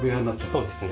はいそうですね。